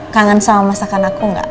kangen sama masakan aku nggak